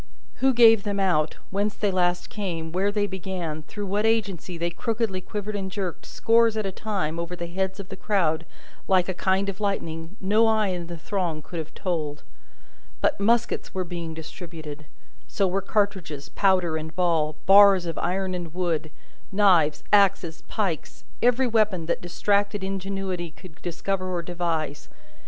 Who gave them out, whence they last came, where they began, through what agency they crookedly quivered and jerked, scores at a time, over the heads of the crowd, like a kind of lightning, no eye in the throng could have told; but, muskets were being distributed so were cartridges, powder, and ball, bars of iron and wood, knives, axes, pikes, every weapon that distracted ingenuity could discover or devise.